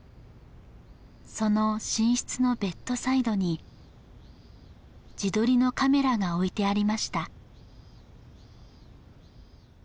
その寝室のベッドサイドに自撮りのカメラが置いてありました